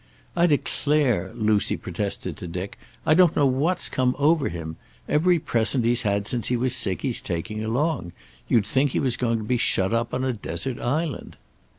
"I declare," Lucy protested to Dick, "I don't know what's come over him. Every present he's had since he was sick he's taking along. You'd think he was going to be shut up on a desert island."